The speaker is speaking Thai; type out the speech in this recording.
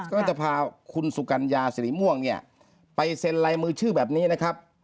ก็จะพาคุณสุกัญญาสิริม่วงเนี่ยไปเซ็นลายมือชื่อแบบนี้นะครับ